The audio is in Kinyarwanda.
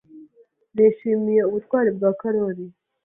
Nishimiye ubutwari bwa Karoli.